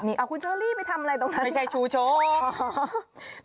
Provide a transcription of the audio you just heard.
นี่เอาคุณเชอรี่ไปทำอะไรตรงนั้นไม่ใช่ชูชก